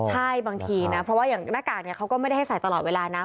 ใช่บางทีนะเพราะว่าอย่างหน้ากากเขาก็ไม่ได้ให้ใส่ตลอดเวลานะ